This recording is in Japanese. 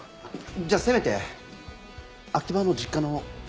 じゃあせめて秋葉の実家の家宅捜索を。